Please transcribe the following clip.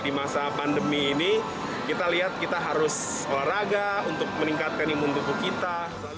jadi di masa pandemi ini kita lihat kita harus olahraga untuk meningkatkan imun tubuh kita